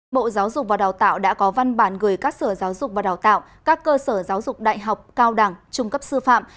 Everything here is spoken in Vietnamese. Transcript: bộ giáo dục và đào tạo đã có văn bản gửi các sở giáo dục và đào tạo các cơ sở giáo dục đại học cao đẳng trung cấp sư phạm